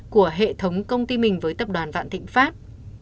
của hệ thống công ty mình với tập đoàn vạn thịnh pháp